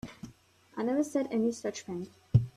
I never said any such thing.